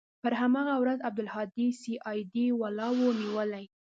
پر هماغه ورځ عبدالهادي سي آى ډي والاو نيولى.